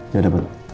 ya ada pak